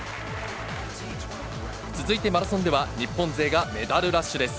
続いてマラソンでは、日本勢がメダルラッシュです。